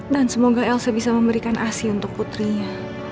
dan semoga elsa bisa memberikan asih untuk putrinya